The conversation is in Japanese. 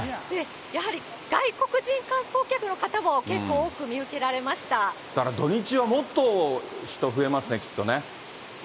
やはり外国人観光客の方も、だから土日はもっと人増えますね、きっとね。